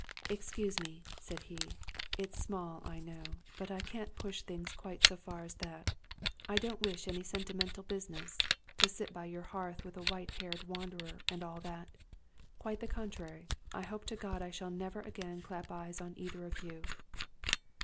" Excuse me," said he. " It's ^mall, I know; but I can't push things quite so far as that. I don't wish any senti mental business, to sit by your hearth a white haired wan derer, and all that. Quite the contrary : I hope to God I shall never again clap eyes on either one of you."